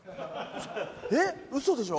えっ嘘でしょ。